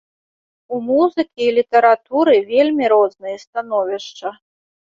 У музыкі і літаратуры вельмі розныя становішча.